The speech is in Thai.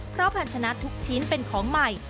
เพราะพันธนะทุกชิ้นเป็นของใหม่